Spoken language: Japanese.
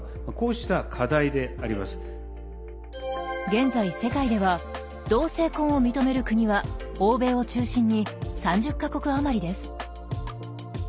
現在世界では同性婚を認める国は欧米を中心に３０か国余りです。